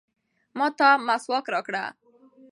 ما ته مسواک راکړه.